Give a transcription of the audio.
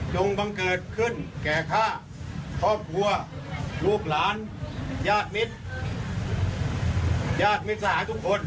บังเกิดขึ้นแก่ข้าครอบครัวลูกหลานญาติมิตรญาติมิตรสหายทุกคน